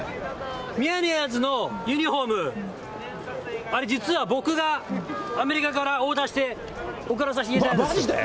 ミヤネヤーズのユニホーム、あれ、実は僕がアメリカからオーダーして送らさせてまじで？